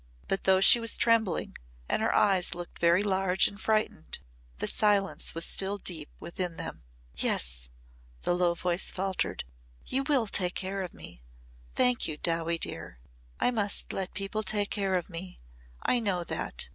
But though she was trembling and her eyes looked very large and frightened, the silence was still deep within them. "Yes," the low voice faltered, "you will take care of me. Thank you, Dowie dear. I must let people take care of me. I know that.